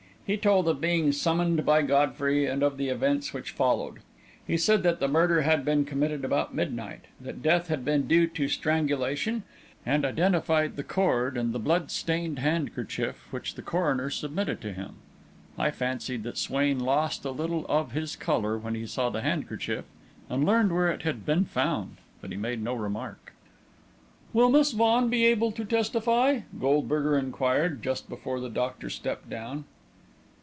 He told of being summoned by Godfrey, and of the events which followed. He said that the murder had been committed about midnight, that death had been due to strangulation; and identified the cord and the blood stained handkerchief which the coroner submitted to him. I fancied that Swain lost a little of his colour when he saw the handkerchief and learned where it had been found, but he made no remark. "Will Miss Vaughan be able to testify?" Goldberger inquired, just before the doctor stepped down.